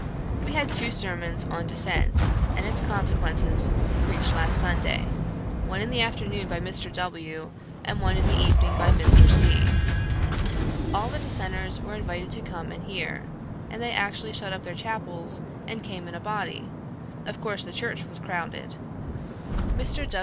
We had two sermons on dissent, and its consequences, preached last Sunday one in the afternoon by Mr. W., and one in the evening by Mr. C. All the Dissenters were invited to come and hear, and they actually shut up their chapels, and came in a body; of course the church was crowded. Mr.